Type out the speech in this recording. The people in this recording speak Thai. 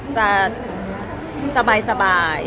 จะสบาย